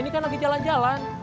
ini kan lagi jalan jalan